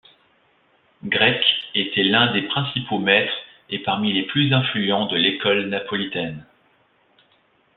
Grecque était l'un des principaux maîtres et parmi les plus influents de l'école napolitaine.